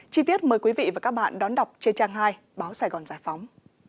chi tiết mời quý vị và các bạn đón đọc trên trang hai báo sài gòn giải phóng